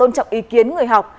tôn trọng ý kiến người học